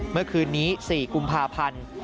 เมื่อคืนนี้๔กุมภาพันธ์